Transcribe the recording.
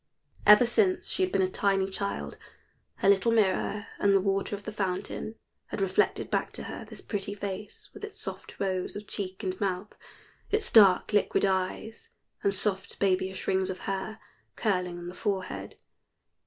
Ever since she had been a tiny child, her little mirror and the water of the fountain had reflected back to her this pretty face, with its soft rose of cheek and mouth, its dark liquid eyes, and soft babyish rings of hair curling on the forehead.